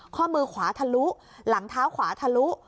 ข้อมือขวาทะลุหลังเท้าขวาทะลุ